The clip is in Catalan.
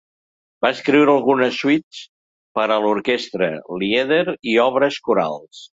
Va escriure algunes suites per a orquestra, lieder i obres corals.